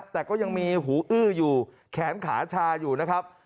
แต่ก็ยังมีหูอื้ออยู่แขนขาชาอยู่นะครับ